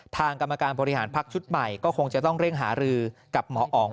ทางกรรมการบริหารพักชุดใหม่ก็คงจะต้องเร่งหารือกับหมออ๋อง